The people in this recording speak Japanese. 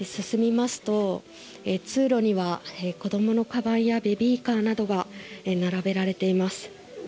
進みますと、通路には子供のかばんやベビーカーなどが並べられています。